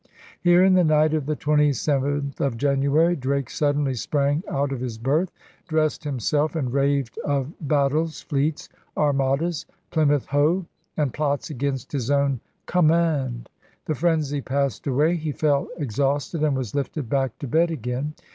Here, in the night of the 27th of January, Drake suddenly sprang out of his berth, dressed himself, and raved of battles, fleets, Armadas, Plymouth Hoe, and plots against his own com mand. The frenzy passed away. He fell ex hausted, and was lifted back to bed again.